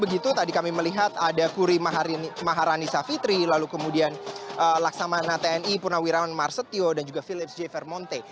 begitu tadi kami melihat ada kuri maharani savitri lalu kemudian laksamana tni purnawirawan marsetio dan juga philips j vermonte